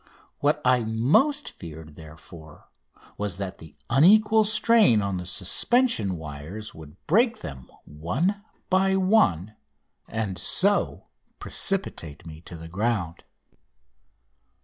What I most feared, therefore, was that the unequal strain on the suspension wires would break them one by one and so precipitate me to the ground.